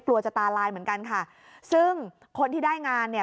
กลัวจะตาลายเหมือนกันค่ะซึ่งคนที่ได้งานเนี่ย